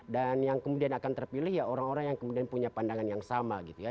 dan yang kemudian akan terpilih ya orang orang yang kemudian punya pandangan yang sama gitu ya